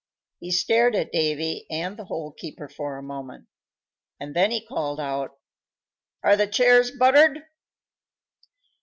He stared at Davy and the Hole keeper for a moment, and then called out, "Are the chairs buttered?"